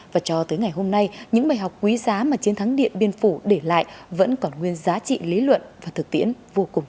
và cho tới ngày hôm nay những bài học quý giá mà chiến thắng điện biên phủ để lại vẫn còn nguyên giá trị lý luận và thực tiễn vô cùng sâu